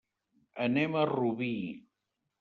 Anem a Rubí.